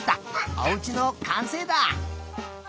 おうちのかんせいだ！